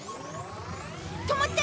止まって！